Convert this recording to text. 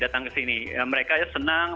datang ke sini mereka ya senang